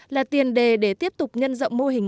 là tiền đề để tiếp tục nhân rộng mô hình